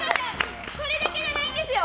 これだけじゃないんですよ。